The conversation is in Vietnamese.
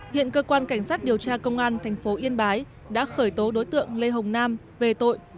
hiện cơ quan cảnh sát điều tra công an thành phố yên bái đã khởi tố đối tượng lê hồng nam về tội